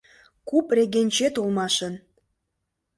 Куп регенчет улмашын.